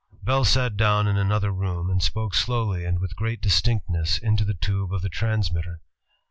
Bell sat down in another room and spoke slowly and with great distinctness into the tube of the transmitter.